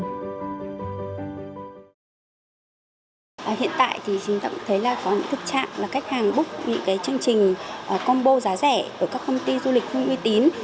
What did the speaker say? hiện tại thì chúng ta cũng thấy là có những thực trạng là khách hàng búc những cái chương trình combo giá rẻ ở các công ty du lịch không uy tín